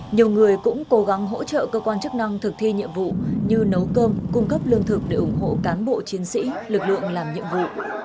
nhiều người cũng cố gắng hỗ trợ cơ quan chức năng thực thi nhiệm vụ như nấu cơm cung cấp lương thực để ủng hộ cán bộ chiến sĩ lực lượng làm nhiệm vụ